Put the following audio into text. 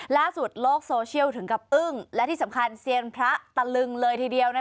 ล่าสุดโลกโซเชียลถึงกับอึ้งและที่สำคัญเซียนพระตะลึงเลยทีเดียว